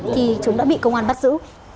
thì chúng đã bị công an bắt giữ